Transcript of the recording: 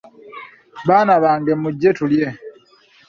Baana bange mujje tulye.